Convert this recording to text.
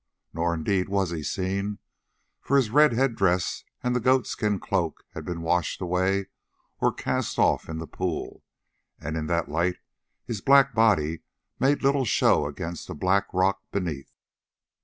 Nor indeed was he seen, for his red head dress and the goat skin cloak had been washed away or cast off in the pool, and in that light his black body made little show against the black rock beneath.